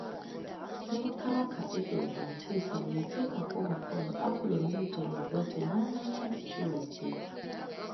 Ssekabaka Edward Muteesa bweyateekako omukono Apollo Milton Obote n'amanya nti kiwedde.